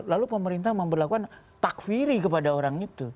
lalu pemerintah memperlakukan takfiri kepada orang itu